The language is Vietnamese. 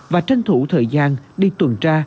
và tranh thủ thời gian đi tuần tra